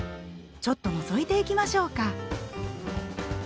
ちょっとのぞいていきましょうか。